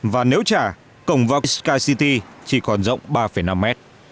và nếu trả cổng vào sky city chỉ còn rộng ba năm m